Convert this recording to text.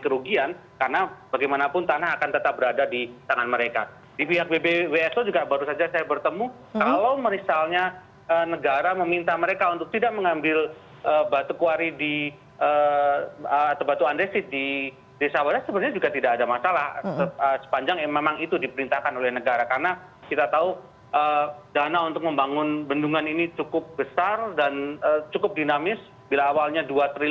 kemudian bagaimana dengan orang orang yang memerintahkan hal tersebut